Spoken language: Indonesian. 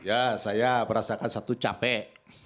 ya saya merasakan satu capek